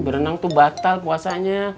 berenang tuh batal puasanya